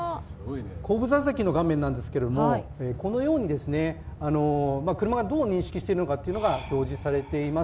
後部座席の画面なんですけど、このように車がどう認識しているのかというのが表示されています。